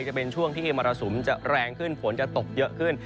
จะเป็นช่วงที่มรสุมจะแรงขึ้นฝนจะตกเยอะขึ้น